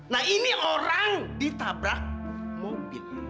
nah ini orang ditabrak mobil